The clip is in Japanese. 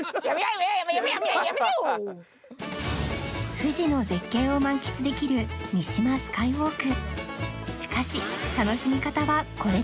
富士の絶景を満喫できる三島スカイウォーク